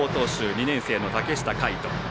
２年生の竹下海斗。